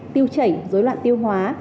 tiêu chảy rối loạn tiêu hóa